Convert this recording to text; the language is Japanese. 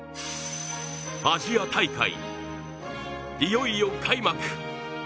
アジア大会、いよいよ開幕。